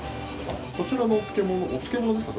こちらのお漬け物ですか？